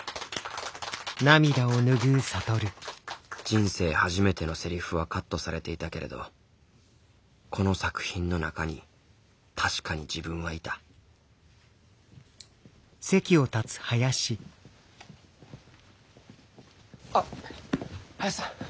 人生初めてのせりふはカットされていたけれどこの作品の中に確かに自分はいたあっ林さん。